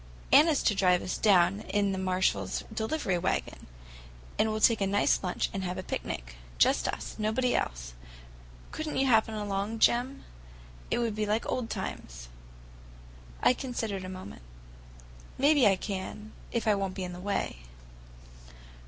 "Anna's to drive us down in the Marshalls' delivery wagon, and we'll take a nice lunch and have a picnic. Just us; nobody else. Could n't you happen along, Jim? It would be like old times." I considered a moment. "Maybe I can, if I won't be in the way."